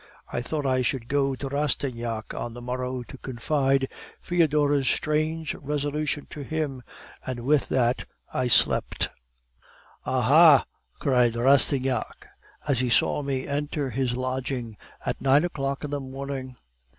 I thought I would go to Rastignac on the morrow to confide Foedora's strange resolution to him, and with that I slept. "'Ah, ha!' cried Rastignac, as he saw me enter his lodging at nine o'clock in the morning.